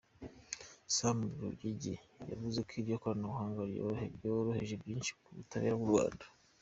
Sam Rugege, yavuze iryo koranabuhanga ryoroheje byinshi mu butabera bw’u Rwanda.